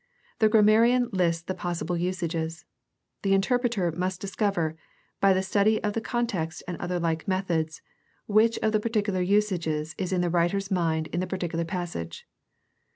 The grammarian lists the possible usages. The interpreter must discover, by the study of the context and other like methods, which of the particular usages is in the writer's mind in the particular passage.